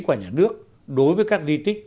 của nhà nước đối với các di tích